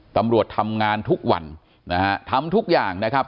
ตำรวจทำงานทุกวันนะฮะทำทุกอย่างนะครับ